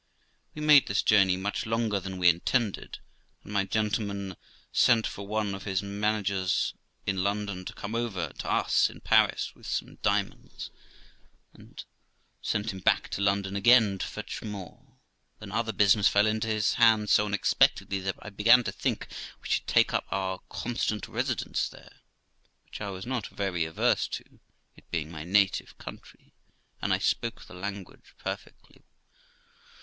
We made this journey much longer than we intended, and my gentleman sent for one of his managers in London to come over to us in Paris with some diamonds, and sent him back to London again to fetch more. Then other business fell into his hands so unexpectedly that I began to think we should take up our constant residence there, which I was not very averse to, it being my native country, and I spoke the language perfectly well.